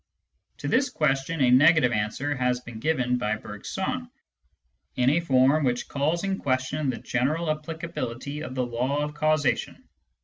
To this question, a negative answer has been given by Bergson, in a form which calls in question the general applicability of the law of causation.